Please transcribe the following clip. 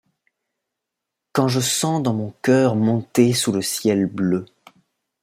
Quand je sens dans mon coeur monter sous le ciel bleu